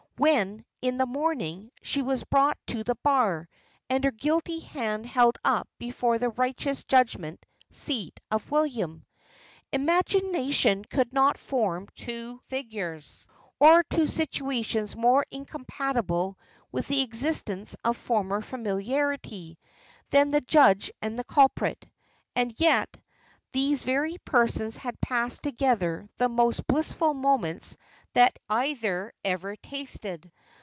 When, in the morning, she was brought to the bar, and her guilty hand held up before the righteous judgment seat of William imagination could not form two figures, or two situations more incompatible with the existence of former familiarity, than the judge and the culprit and yet, these very persons had passed together the most blissful moments that either ever tasted!